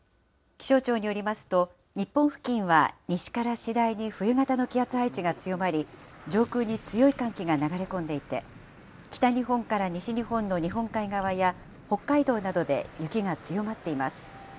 気象庁によりますと、日本付近は西から次第に冬型の気圧配置が強まり、上空に強い寒気が流れ込んでいて、北日本から西日本の日本海側や北海道などで雪が強まっています。